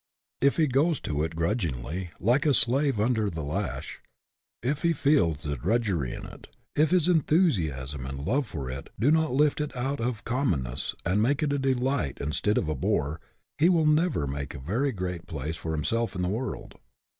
If he goes to it grudgingly, like a slave under the lash; if he feels the drudgery in it ; if his enthusiasm and love for it do not lift it out of common ness and make it a delight instead of a bore, he will never make a very great place for himself in the world.